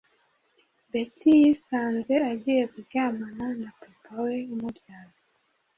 betty yisanze agiye kuryamana na papa we umubyara